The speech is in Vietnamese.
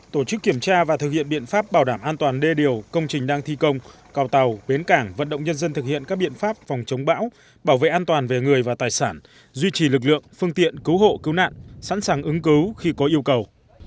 tổ chức kiểm tra và thực hiện biện pháp bảo đảm an toàn đê điều công trình đang thi công cào tàu bến cảng vận động nhân dân thực hiện các biện pháp phòng chống bão bảo vệ an toàn về người và tài sản duy trì lực lượng phương tiện cứu hộ cứu nạn sẵn sàng ứng cứu khi có yêu cầu